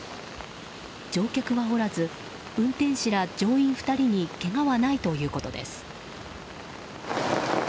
乗客はおらず運転士ら乗員２人にけがはないということです。